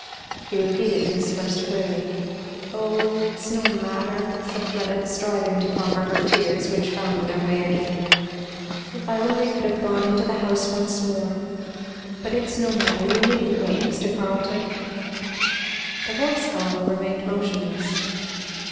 He repeated his first query. "O it's no matter," said Fleda, striving to conquer her tears, which found their way again, "if I only could have gone into the house once more! but it's no matter you needn't wait, Mr. Carleton " The horse however remained motionless.